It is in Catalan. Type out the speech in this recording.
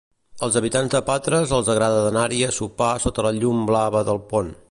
Als habitants de Patres els agrada d'anar-hi a sopar sota la llum blava del pont.